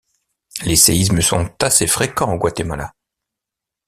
Les séismes sont assez fréquents au Guatemala.